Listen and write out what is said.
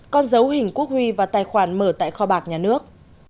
còn giấu hình quốc huy và tài khoản mở tại kho bạc nhà nước